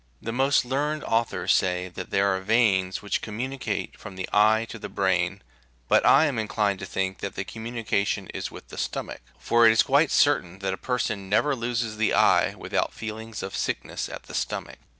The most learned authors say that there are veins which communicate from the eye to the brain, but I am inclined to think that the communi cation is with the stomach ; for it is quite certain that a person never loses the eye without feeling sickness at the stomach.